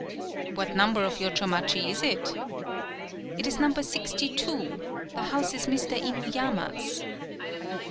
"What number of Yochomachi is it?" "It is number sixty two. The house is Mr. Inuyama's."